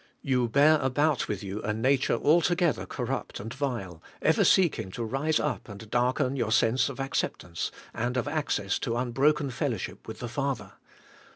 You bear about with you a nature altogether corrupt and vile, ever seeking to rise up and darken your sense of acceptance, and of access to unbroken fellowship with the Father.